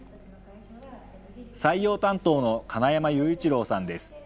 採用担当の金山雄一郎さんです。